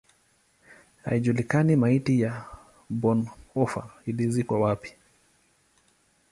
Haijulikani maiti ya Bonhoeffer ilizikwa wapi.